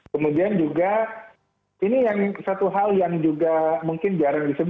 kemudian juga ini yang satu hal yang juga mungkin jarang disebut